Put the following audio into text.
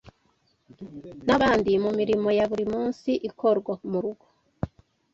n’abandi mu mirimo ya buri munsi ikorwa mu rugo